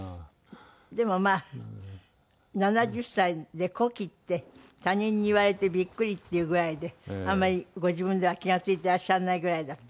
でもまあ７０歳で古希って他人に言われてビックリっていうぐらいであんまりご自分では気が付いてらっしゃらないぐらいだった？